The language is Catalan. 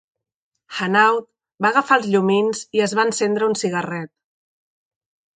Hanaud va agafar els llumins i es va encendre un cigarret.